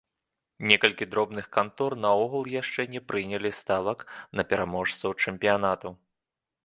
Некалькі дробных кантор наогул яшчэ не прынялі ставак на пераможцаў чэмпіянату.